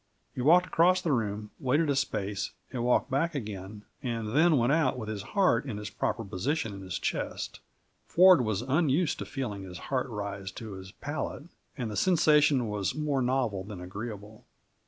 He walked across the room, waited a space, and walked back again, and then went out with his heart in its proper position in his chest; Ford was unused to feeling his heart rise to his palate, and the sensation was more novel than agreeable.